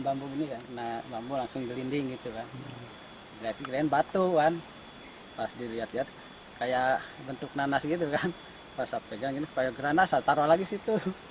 pas pegang ini kayak granas taruh lagi situ